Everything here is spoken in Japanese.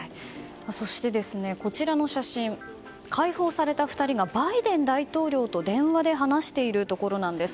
そしてこちらの写真解放された２人がバイデン大統領と電話で話しているところです。